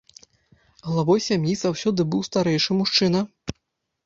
Главой сям'і заўсёды быў старэйшы мужчына.